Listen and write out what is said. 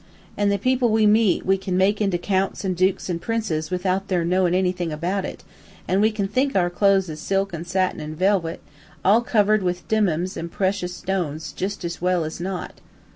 An' the people we meet we can make into counts and dukes and princes, without their knowin' anything about it; an' we can think our clothes is silk an' satin an' velwet, all covered with dimuns an' precious stones, jus' as well as not.'